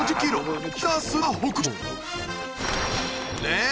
えっ？